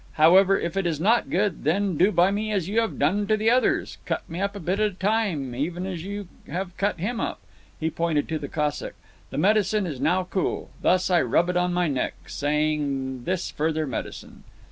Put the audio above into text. However, if it is not good, then do by me as you have done to the others. Cut me up a bit at a time, even as you have cut him up." He pointed to the Cossack. "The medicine is now cool. Thus, I rub it on my neck, saying this further medicine."